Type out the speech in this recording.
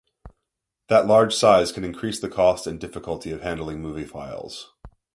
That large size can increase the cost and difficulty of handling movie files.